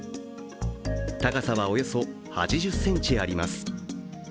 高さはおよそ８０ｃｍあります。